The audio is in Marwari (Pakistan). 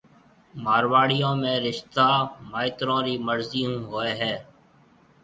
مارواڙيون ۾ رشتہ مائيترون رِي مرضي ھون ھوئيَ ھيََََ